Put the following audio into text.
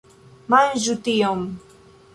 Manĝu tion!